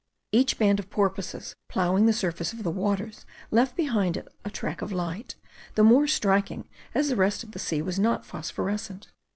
Each band of porpoises, ploughing the surface of the waters, left behind it a track of light, the more striking as the rest of the sea was not phosphorescent.